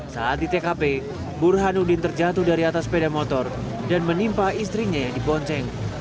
saat di tkp burhanuddin terjatuh dari atas sepeda motor dan menimpa istrinya yang dibonceng